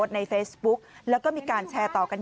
ตำรวจบอกว่าแค่ผลักไม่ถือว่าเป็นการทำร้ายร่างกาย